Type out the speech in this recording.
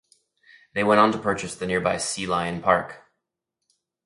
They went on to purchase the nearby Sea Lion Park.